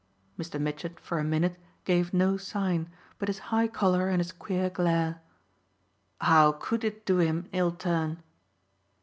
Mr. Mitchett for a minute gave no sign but his high colour and his queer glare. "How could it do him an ill turn?"